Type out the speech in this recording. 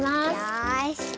よし。